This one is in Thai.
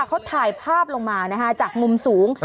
เขาถ่ายภาพลงมาจากมุมสูง